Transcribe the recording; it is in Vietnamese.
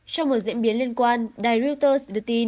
trong một diễn biến liên quan đài reuters đưa tin